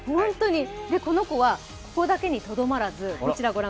この子はここだけにとどまらず、こちら。